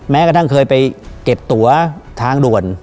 แม้กระทั่งเคยไปเก็บตัวทางด่วน